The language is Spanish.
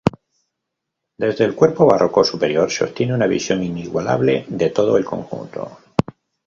Desde el cuerpo barroco superior se obtiene una visión inigualable de todo el conjunto.